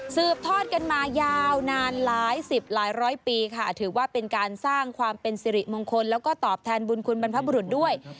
สืบทอดกันมายาวนานหลายสิบหลายร้อยปีค่ะถือว่าเป็นการสร้างความเป็นสิริมงคลแล้วก็ตอบแทนบุญคุณบรรพบุรุษด้วย